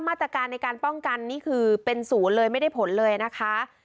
มาตรการในการป้องกันนี่คือเป็นศูนย์เลยไม่ได้ผลเลยนะคะ